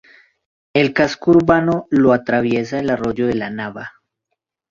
El casco urbano lo atraviesa el Arroyo de la Nava.